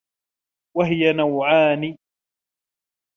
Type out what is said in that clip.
وَهِيَ نَوْعَانِ